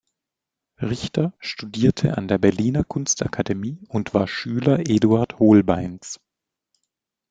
Richter studierte an der Berliner Kunstakademie und war Schüler Eduard Holbeins.